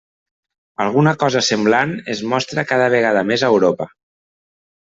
Alguna cosa semblant es mostra cada vegada més a Europa.